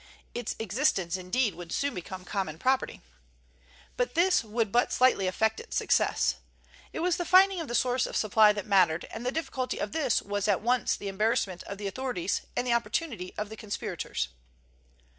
Its existence, indeed, would soon become common property. But this would but slightly affect its success. It was the finding of the source of supply that mattered, and the difficulty of this was at once the embarrassment of the authorities and the opportunity of the conspirators.